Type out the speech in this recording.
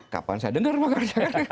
kapan saya dengar makar